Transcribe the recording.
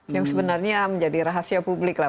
yang sebenarnya menjadi rahasia publik lah